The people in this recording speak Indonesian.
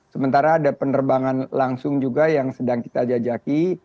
sementara ada penerbangan langsung juga yang sedang kita jajaki